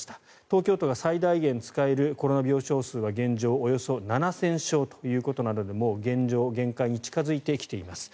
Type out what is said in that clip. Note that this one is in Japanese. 東京都が最大限使えるコロナ病床数は現状、およそ７０００床ということなのでもう限界に近付いてきています。